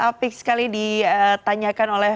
apik sekali ditanyakan oleh